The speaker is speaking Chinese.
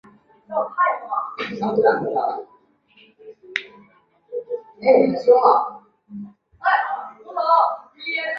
峨眉轮环藤为防己科轮环藤属轮环藤下的一个变型。